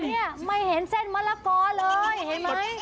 เนี่ยไม่เห็นเส้นมะละกอเลยเห็นไหม